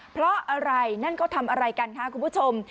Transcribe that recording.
เพราะอะไรนั่นเขาทำอะไรกันคะคุณผู้ชม